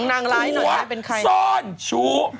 ของนี่เป็นใคร